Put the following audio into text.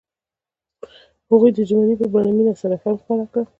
هغوی د ژمنې په بڼه مینه سره ښکاره هم کړه.